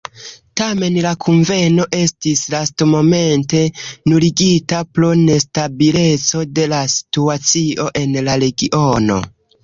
Tamen la kunveno estis lastmomente nuligita pro nestabileco de la situacio en la regiono.